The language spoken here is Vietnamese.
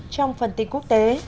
trong phần tính quốc tế